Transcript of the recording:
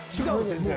全然。